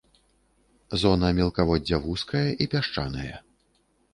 Зона мелкаводдзя вузкая і пясчанае.